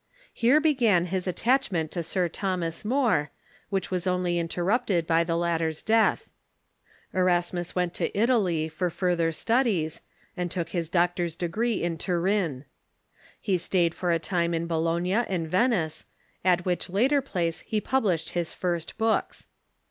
Here began his attachment to Sir Thomas More, which was only interrupted by the lat ter's death. Erasmus went to Italy for further studies, and took his doctor's degree in Turin. He stayed for a time in Bologna and Venice, at which latter place he published his first books.